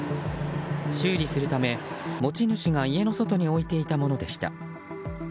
修理するため、持ち主が家の外に置いていたものでした。